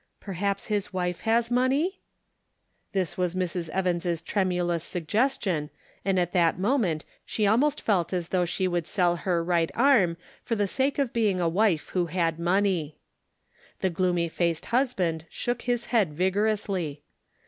" Perhaps his wife has money ?" 96 The Pocket Measure. This was Mrs. Evans' tremulous suggestion and at that moment she almost felt as though she would sell her right arm for the sake of being a wife who had money. The gloomy faced husband shook his head Vigorously.